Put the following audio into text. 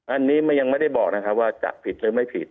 อันนี้ยังไม่ได้บอกนะครับว่าจะผิดหรือไม่ผิด